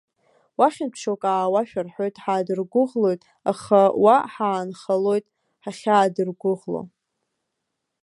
Уахьынтә шьоук аауашәа рҳәоит, ҳаадыргәыӷлоит, аха уа ҳаанхалоит, ҳахьаадыргәыӷло.